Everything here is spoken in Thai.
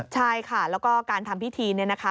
ใช่ค่ะแล้วก็การทำพิธีเนี่ยนะคะ